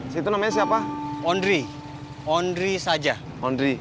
hai itu namanya siapa ondri ondri saja ondri iya